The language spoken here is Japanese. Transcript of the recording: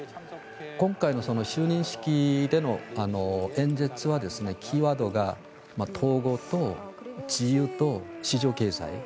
今回の就任式での演説はキーワードが統合と自由と市場経済。